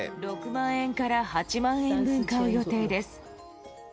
６万円から８万円分買う予定です。